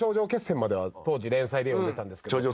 当時連載で読んでたんですけど。